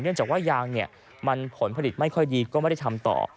จากว่ายางเนี่ยมันผลผลิตไม่ค่อยดีก็ไม่ได้ทำต่อ